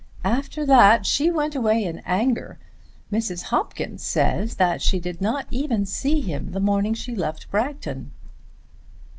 After that she went away in anger. Mrs. Hopkins says that she did not even see him the morning she left Bragton."